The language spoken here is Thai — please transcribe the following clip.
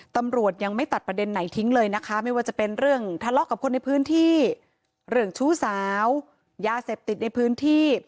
ตำรวจยังไม่ตัดประเด็นไหนทิ้งเลยนะคะไม่ว่าจะเป็นเรื่องทะเลาะกับคนในพื้นที่เรื่องชู้สาวยาเสพติดในพื้นที่